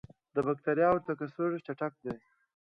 د بکټریاوو تکثر چټک دی.